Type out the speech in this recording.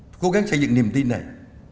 phải cố gắng xây dựng niềm tin này